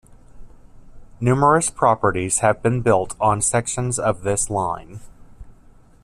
Numerous properties have been built on sections of this line.